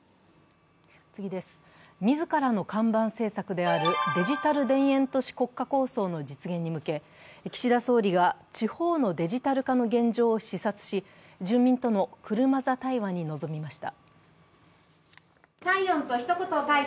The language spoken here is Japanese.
自らの看板政策であるデジタル田園都市社会国家構想の実現に向け岸田総理が地方のデジタル化の現地時間を視察し住民との車座対話に臨みました。